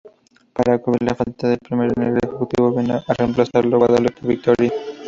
Para cubrir la falta del primero en el ejecutivo, vino a reemplazarlo Guadalupe Victoria.